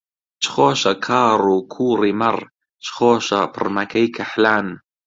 چ خۆشە کاڕ و کووڕی مەڕ، چ خۆشە پڕمەکەی کەحلان